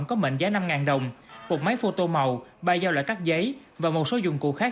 có mệnh giá năm đồng một máy phô tô màu ba giao loại cắt giấy và một số dụng cụ khác